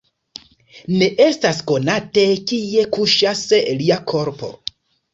Ne estas konate, kie kuŝas lia korpo.